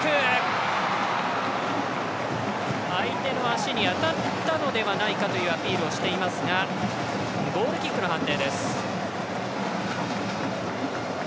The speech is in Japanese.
相手の足に当たったのではないかというアピールをしていますがゴールキックの判定です。